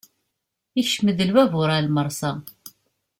Ikcem-d lbabur ɣer lmersa.